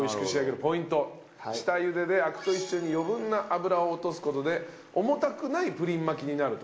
下茹ででアクと一緒に余分な脂を落とす事で重たくないプリン巻きになると。